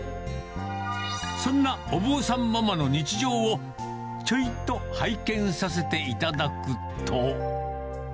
そんなお坊さんママの日常をちょいと拝見させていただくと。